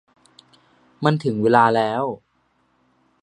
มันถึงเวลาแล้ว